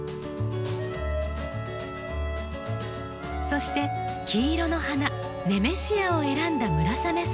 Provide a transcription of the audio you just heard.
そして黄色の花ネメシアを選んだ村雨さん。